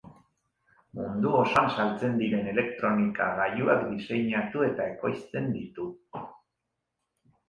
Mundu osoan saltzen diren elektronika gailuak diseinatu eta ekoizten ditu.